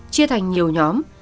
chia thành nhiều nhóm